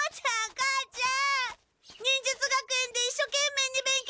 母ちゃん！